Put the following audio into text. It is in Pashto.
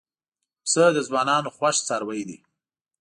پسه د ځوانانو خوښ څاروی دی.